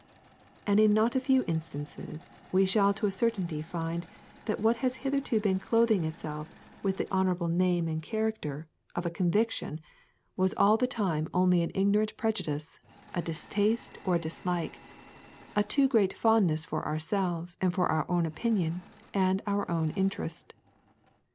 And in not a few instances we shall to a certainty find that what has hitherto been clothing itself with the honourable name and character of a conviction was all the time only an ignorant prejudice, a distaste or a dislike, a too great fondness for ourselves and for our own opinion and our own interest.